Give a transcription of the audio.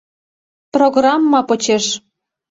Программа почеш.